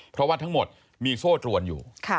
เพราะว่าทั้งหมดมีโซ่ตรวนอยู่